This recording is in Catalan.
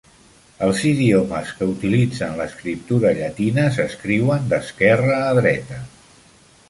Els idiomes que utilitzen l'escriptura llatina s'escriuen d'esquerra a dreta.